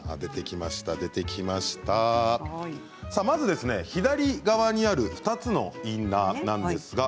まず左側にある２つのインナーです。